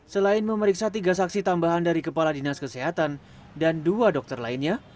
selain memeriksa tiga saksi tambahan dari kepala dinas kesehatan dan dua dokter lainnya